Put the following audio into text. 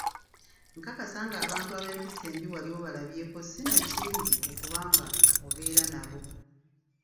Nkakasa nga abantu ab'empisa embi wali obalabyeko sinakindi okuba nga obeera nabo.